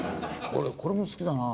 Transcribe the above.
俺これも好きだな。